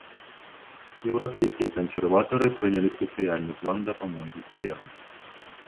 Еўрапейскія кансерватары прынялі спецыяльны план дапамогі калегам.